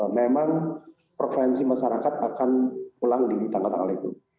memang preferensi masyarakat akan pulang di tanggal tanggal itu